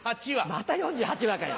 また４８話かよ。